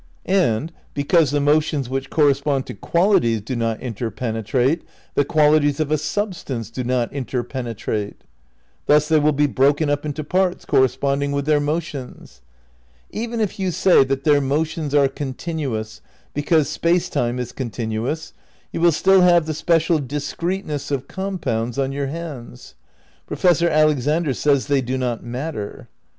And (because the motions which correspond to qual ities do not interpenetrate) : "The qualities of a sub stance do not interpenetrate." Thus they will be broken up into parts corresponding with their motions. Even if you say that their motions are continuous, because Space Time is continuous, you will still have the special discreteness of compounds on your hands. Professor Alexander says they do not matter.